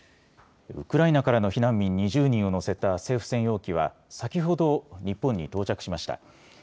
ウクライナからの避難民２０人を乗せた政府専用機は先ほど日本に到着しました。